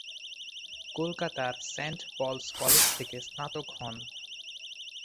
কলকাতার Saint Paul's College থেকে স্নাতক হন।